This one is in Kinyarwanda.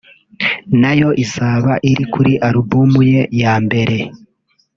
nayo izaba iri kuri album ye ya mbere